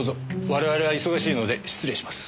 我々は忙しいので失礼します。